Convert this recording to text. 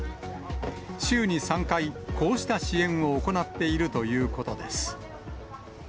週に３回、こうした支援を行っているということです。